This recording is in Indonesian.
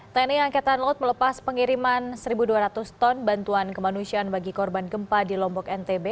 tni angkatan laut melepas pengiriman satu dua ratus ton bantuan kemanusiaan bagi korban gempa di lombok ntb